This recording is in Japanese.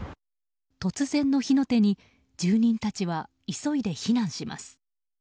突然の火の手に住人達は急いで避難します。